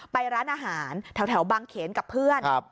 ไปร้านอาหารแถวแถวบังเขนกับเพื่อนครับ